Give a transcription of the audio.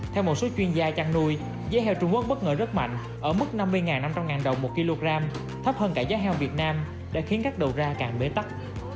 theo một số chuyên gia chăn nuôi giá heo trung quốc bất ngờ rất mạnh ở mức năm mươi năm trăm linh đồng một kg thấp hơn cả giá heo việt nam đã khiến các đầu ra càng bế tắc